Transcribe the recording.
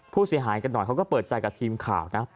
ผู้เสียหายกันหน่อยเขาก็เปิดใจกับทีมข่าวนะ